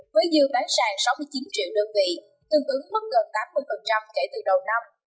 với dư tái sàng sáu mươi chín triệu đơn vị tương ứng mất gần tám mươi kể từ đầu năm